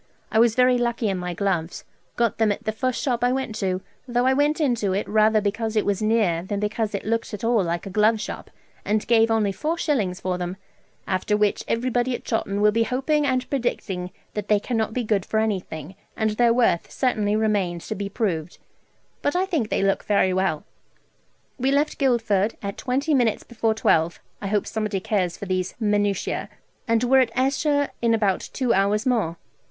I was very lucky in my gloves got them at the first shop I went to, though I went into it rather because it was near than because it looked at all like a glove shop, and gave only four shillings for them; after which everybody at Chawton will be hoping and predicting that they cannot be good for anything, and their worth certainly remains to be proved; but I think they look very well. We left Guildford at twenty minutes before twelve (I hope somebody cares for these minutiae), and were at Esher in about two hours more.